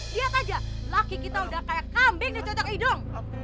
siap aja laki kita udah kayak kambing dicotok hidung